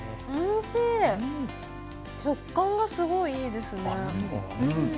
食感がすごい、いいですね。